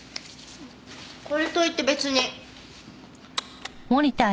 これといって別に。